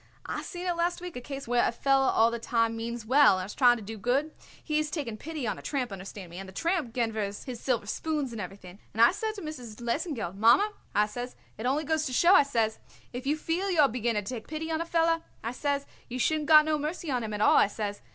"I seen it last week a case where a feller all the time means well and is trying to do good. He is taking pity on a tramp, understand me, and the tramp ganvers his silver spoons and everything, and I says to Mrs. Lesengeld: 'Mommer,' I says, 'it only goes to show,' I says, 'if you feel you are beginning to take pity on a feller,' I says, 'you shouldn't got no mercy on him at all,' I says.